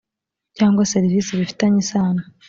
cyangwa serivisi bifitanye isano